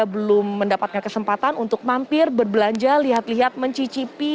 belum mendapatkan kesempatan untuk mampir berbelanja lihat lihat mencicipi